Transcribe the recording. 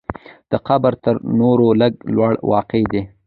دا قبر تر نورو لږ لوړ واقع دی.